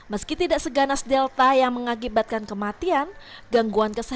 meski tidak seganas seorang bisa saja mengalami keluhan meski sudah divaksin